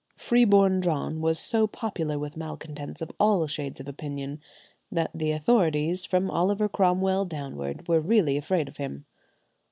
"Freeborn John" was so popular with malcontents of all shades of opinion, that the authorities, from Oliver Cromwell downward, were really afraid of him.